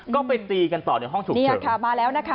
ก็ไปตีกันต่อในห้องฉุกเฉินเนี่ยค่ะมาแล้วนะคะ